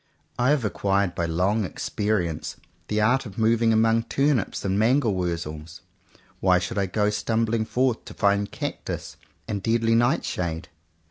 I have acquired by long experience the art of moving among turnips and mangel wurzels; why should I go stumbling forth to find cactus and deadly night shade.?